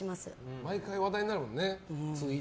毎回話題になるもんね。